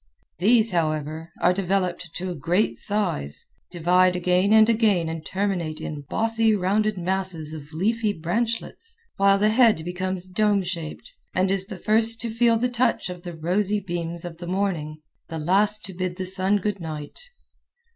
These, however, are developed to a great size, divide again and again and terminate in bossy, rounded masses of leafy branch lets, while the head becomes dome shaped, and is the first to feel the touch of the rosy beams of the morning, the last to bid the sun good night.